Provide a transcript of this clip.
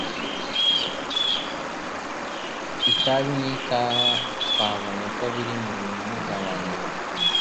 Itabi n'ikawa twabonye ko biri mu bibugabanya